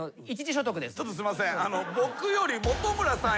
ちょっとすいません。